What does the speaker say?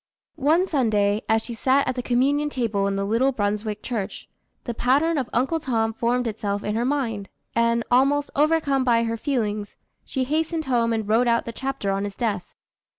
One Sunday, as she sat at the communion table in the little Brunswick church, the pattern of Uncle Tom formed itself in her mind, and, almost overcome by her feelings, she hastened home and wrote out the chapter on his death.